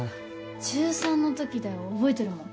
中３のときだよ覚えてるもん。